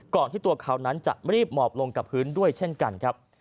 ที่ตัวเขานั้นจะรีบหมอบลงกับพื้นด้วยเช่นกันครับ